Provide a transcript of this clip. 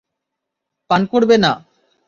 পান করবে না!